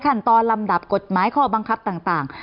ขั้นตอนลำดับกฎหมายข้อบังคับต่าง